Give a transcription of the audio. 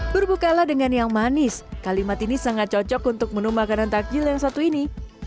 berbukalah dengan yang manis kalimat ini sangat cocok untuk menu makanan takjil yang satu ini